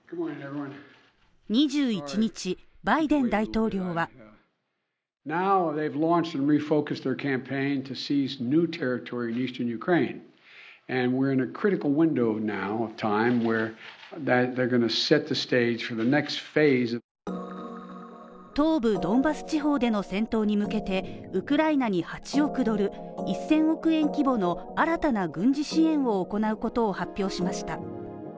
２１日、バイデン大統領は東部ドンバス地方での戦闘に向けてウクライナに８億ドル、１０００億円規模の新たな軍事支援を行うことを発表しました。